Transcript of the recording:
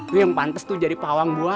lu yang pantes tuh jadi pawang buaya